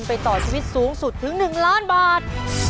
ไปต่อชีวิตสูงสุดถึง๑ล้านบาท